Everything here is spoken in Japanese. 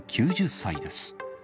９０歳です。